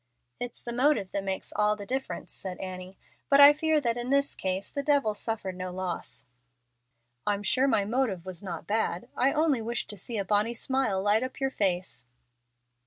"It's the motive that makes all the difference," said Annie. "But I fear that in this case the devil suffered no loss." "I'm sure my motive was not bad. I only wished to see a bonny smile light up your face."